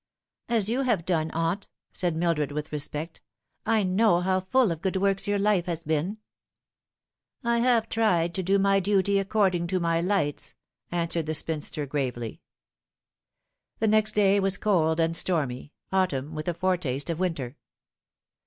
" As you have done, aunt," said Mildred, with respect. " I know how full of good works your life has been." " I have tried to do my duty according to my lights," an swered the spinster gravely. The next day was cold and stormy, autumn with a foretaste of winter.